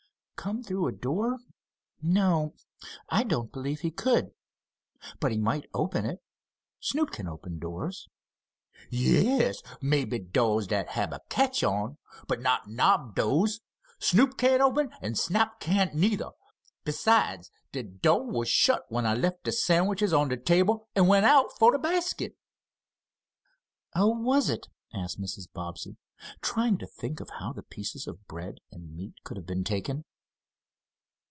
"Come through a door? No, I don't believe he could. But he might open it. Snoop can open doors." "Yes, maybe do's that hab a catch on, but not knob do's, Snoop can't open, an' Snap can't neither. Besides, de do' was shut when I left de sandwiches on de table an' went fo' de basket." "Oh, was it?" asked Mrs. Bobbsey, trying to think of how the pieces of bread and meat could have been taken.